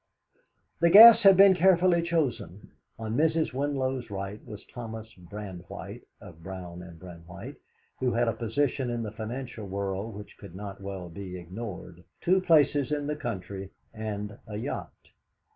The guests had been carefully chosen. On Mrs. Winlow's right was Thomas Brandwhite (of Brown and Brandwhite), who had a position in the financial world which could not well be ignored, two places in the country, and a yacht.